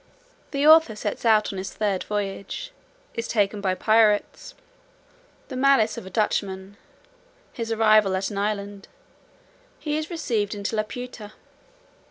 The author sets out on his third voyage. Is taken by pirates. The malice of a Dutchman. His arrival at an island. He is received into Laputa.